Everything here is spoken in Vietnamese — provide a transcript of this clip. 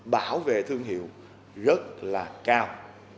bảo vệ thương hiệu rất là cao